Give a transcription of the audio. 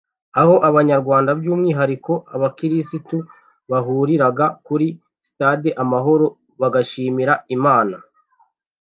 aho abanyarwanda by’umwihariko abakirisitu bahuriraga kuri Stade Amahoro bagashimira Imana ibyo yakoreye u Rwanda